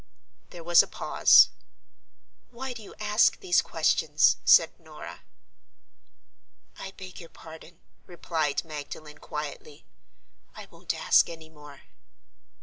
There was a pause. "Why do you ask these questions?" said Norah. "I beg your pardon," replied Magdalen, quietly; "I won't ask any more."